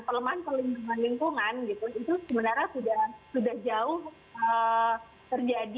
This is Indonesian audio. pelemahan kelingkungan kelingkungan itu sebenarnya sudah jauh terjadi